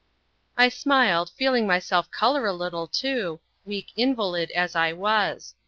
I smiled, feeling myself colour a little too, weak invalid as I was.